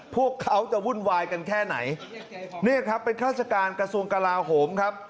พวกเขาจะวุ่นวายกันแค่ไหนเนี่ยครับเป็นฆาติการกระทรวงกลาโหมครับ